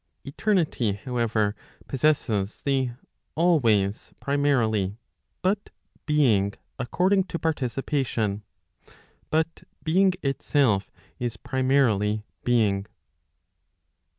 Eternity, however, possesses the always primarily, but being according to participation. But being itself is primarily being.